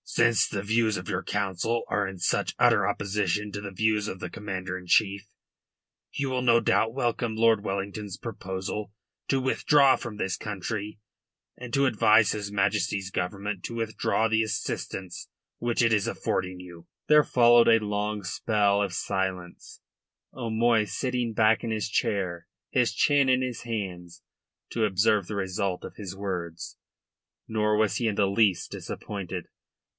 "Since the views of your Council are in such utter opposition to the views of the Commander in Chief, you will no doubt welcome Lord Wellington's proposal to withdraw from this country and to advise his Majesty's Government to withdraw the assistance which it is affording you." There followed a long spell of silence, O'Moy sitting back in his chair, his chin in his hand, to observe the result of his words. Nor was he in the least disappointed.